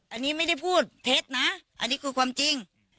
อันนี้ไม่ได้พูดเท็จนะอันนี้คือความจริง